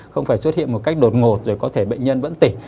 không phải xuất hiện một cách đột ngột rồi có thể bệnh nhân vẫn tỉnh